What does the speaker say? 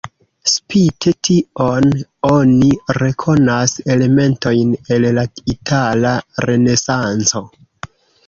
Spite tion oni rekonas elementojn el la itala renesanco.